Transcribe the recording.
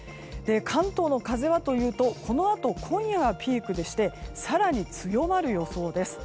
関東の風はというとこのあと今夜がピークでして更に強まる予想です。